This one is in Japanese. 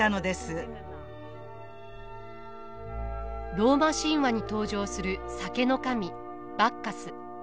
ローマ神話に登場する酒の神バッカス。